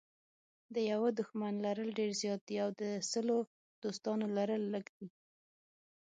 د یوه دښمن لرل ډېر زیات دي او د سلو دوستانو لرل لږ دي.